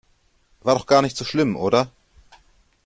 War doch gar nicht so schlimm, oder?